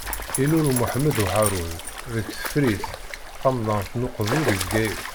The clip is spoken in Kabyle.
Ilul Muḥemmed Uharun deg Tefrit, tamnaḍt n Uqbu di Bgayet.